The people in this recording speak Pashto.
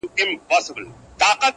بېزاره دي له خيره، سپي دي در گرځوه.